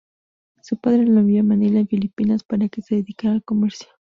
Su padre lo envió a Manila en Filipinas, para que se dedicara al comercio.